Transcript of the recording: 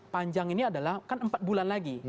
panjang ini adalah kan empat bulan lagi